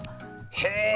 へえ！